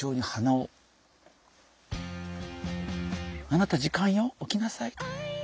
「あなた時間よ起きなさい！」。